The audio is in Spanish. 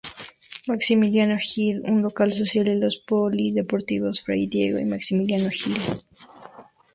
Maximiliano Gil, un local social y los polideportivo Fray Diego y Maximiliano Gil.